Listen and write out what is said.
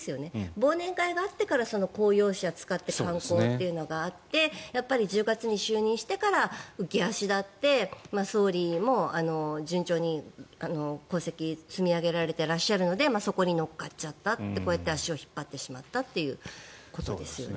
忘年会があってから公用車を使って観光というのがあってやっぱり１０月に就任してから浮き足立って総理も順調に功績を積み上げられていたのでそこに乗っかっちゃってこうやって足を引っ張ってしまったということですね。